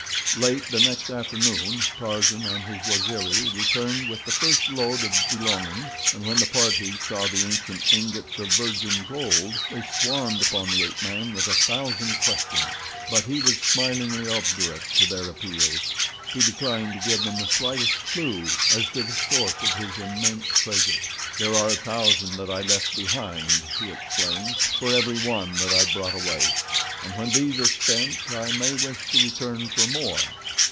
Late the next afternoon Tarzan and his Waziri returned with the first load of "belongings," and when the party saw the ancient ingots of virgin gold they swarmed upon the ape man with a thousand questions; but he was smilingly obdurate to their appeals—he declined to give them the slightest clew as to the source of his immense treasure. "There are a thousand that I left behind," he explained, "for every one that I brought away, and when these are spent I may wish to return for more."